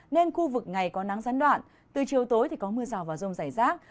nên khu vực ngày có nắng gián đoạn từ chiều tối có mưa rào vào rông giải rác